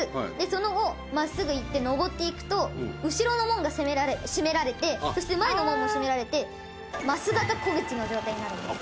その後、真っすぐ行って登っていくと後ろの門が閉められてそして、前の門も閉められて枡形虎口の状態になるんです。